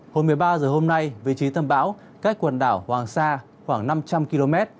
hồi một mươi ba h hôm nay vị trí tâm bão cách quần đảo hoàng sa khoảng năm trăm linh km